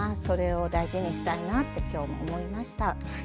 それを大事にしたいなってきょう思いました。